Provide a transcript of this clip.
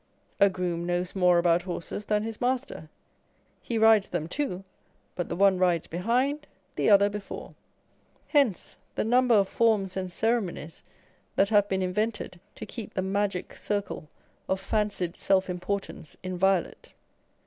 A groom knows more about horses than his master. He rides them too : but the one rides behind, the other before ! Hence the number of forms and ceremonies that have been invented to keep the magic circle of fancied self importance inviolate.